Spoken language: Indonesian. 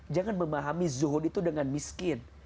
jangan memahami zuhud itu dengan miskin